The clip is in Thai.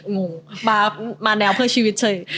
งงมาแนวเพื่อชีวิตเฉย